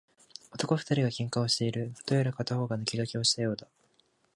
男二人が喧嘩をしている。どうやら片方が抜け駆けをしたようだ。